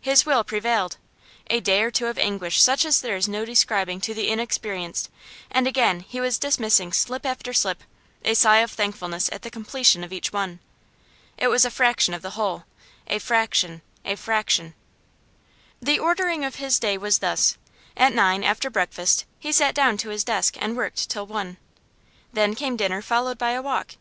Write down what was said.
His will prevailed. A day or two of anguish such as there is no describing to the inexperienced, and again he was dismissing slip after slip, a sigh of thankfulness at the completion of each one. It was a fraction of the whole, a fraction, a fraction. The ordering of his day was thus. At nine, after breakfast, he sat down to his desk, and worked till one. Then came dinner, followed by a walk.